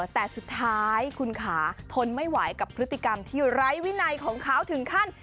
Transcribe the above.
แต่สุดท้ายคุณขาทนไม่ไหวกับพฤติกรรมที่ไร้วินัยของเขาถึงขั้น